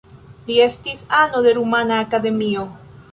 Li estis ano de Rumana Akademio.